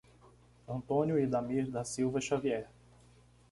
Antônio Idamir da Silva Xavier